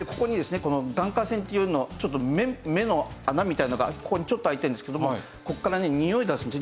この眼下腺っていうのちょっと目の穴みたいなのがここにちょっと開いてるんですけれどもここからねにおい出すんですね。